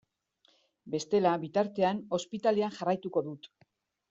Bestela, bitartean, ospitalean jarraituko dut.